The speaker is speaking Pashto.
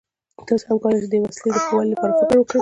تاسو هم کولای شئ د یوې وسیلې د ښه والي لپاره فکر وکړئ.